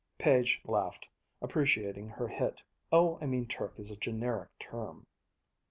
Page laughed, appreciating her hit. "Oh, I mean Turk as a generic term."